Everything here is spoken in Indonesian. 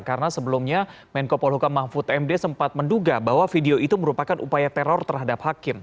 karena sebelumnya menko polhukam mahfud md sempat menduga bahwa video itu merupakan upaya teror terhadap hakim